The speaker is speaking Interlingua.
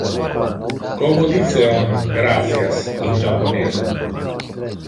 Como dice on "gratias" in japonese?